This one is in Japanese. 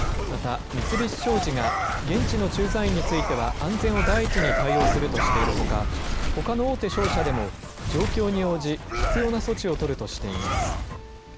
また、三菱商事が現地の駐在員については、安全を第一に対応するとしているほか、ほかの大手商社でも、状況に応じ、必要な措置を取るとしています。